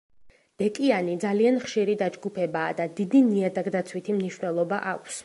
დეკიანი ძალიან ხშირი დაჯგუფებაა და დიდი ნიადაგდაცვითი მნიშვნელობა აქვს.